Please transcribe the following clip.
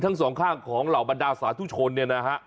ทั้งสองข้างของเหล่าบรรดาสาธุชนเนี่ยนะฮะ